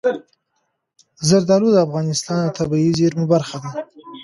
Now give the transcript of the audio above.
زردالو د افغانستان د طبیعي زیرمو برخه ده.